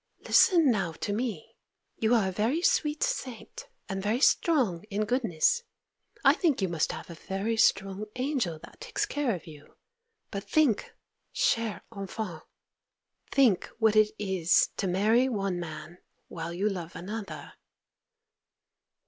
Listen now to me: you are a very sweet saint, and very strong in goodness. I think you must have a very strong angel that takes care of you; but think, chère enfant, think what it is to marry one man while you love another.